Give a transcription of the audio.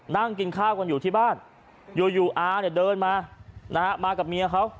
นั่งกินข้าวกันอยู่ที่บ้านอยู่อาเนี่ยเดินมานะฮะมากับเมียเขา